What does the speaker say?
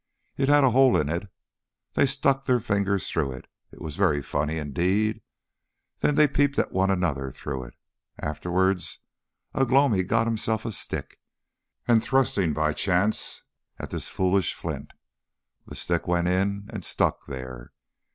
It had a hole in it. They stuck their fingers through it, it was very funny indeed. Then they peeped at one another through it. Afterwards, Ugh lomi got himself a stick, and thrusting by chance at this foolish flint, the stick went in and stuck there.